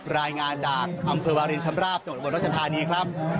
รายงานจากอำเภอวารินชำราบจังหวัดรัชธานีครับ